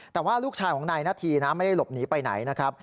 แต่ว่าลูกชายของนายนาธีนะไม่ได้หลบหนีไปไหนนะครับ